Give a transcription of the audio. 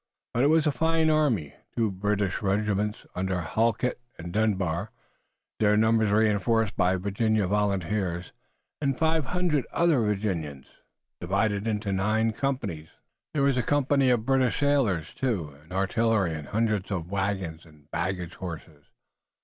But it was a fine army, two British regiments under Halket and Dunbar, their numbers reinforced by Virginia volunteers, and five hundred other Virginians, divided into nine companies. There was a company of British sailors, too, and artillery, and hundreds of wagons and baggage horses.